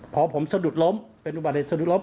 พอผมสะดุดล้มเป็นอุบัติเหตุสะดุดล้ม